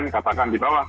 katakan di bawah